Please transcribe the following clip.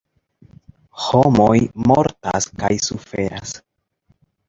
Homoj mortas kaj suferas.